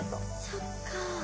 そっか。